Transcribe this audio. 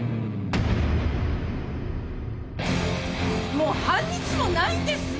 もう半日もないんですよ！